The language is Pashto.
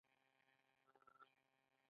رامنځته شوې انګېزې بیا تکرار وې.